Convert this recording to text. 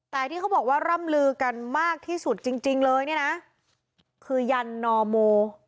แต่ที่เขาบอกว่าร่ำลือกันมากที่สุดจริงเลยเนี่ยนะคือยันนอโม